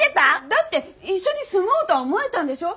だって一緒に住もうとは思えたんでしょ？